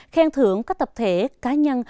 khen thưởng các tập thể cá nhân